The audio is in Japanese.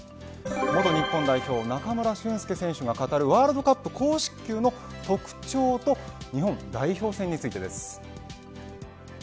元日本代表、中村俊輔選手が語るワールドカップ公式球の特徴と日本代表戦についてです。